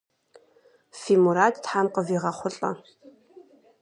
Фи мурад тхьэм къывигъэхъулӏэ!